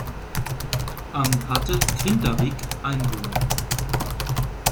Am hatte Grindavík Einwohner.